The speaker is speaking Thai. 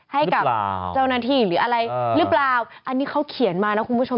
ให้กับเจ้าหน้าที่หรืออะไรหรือเปล่าอันนี้เขาเขียนมานะคุณผู้ชม